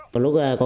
có lúc có cô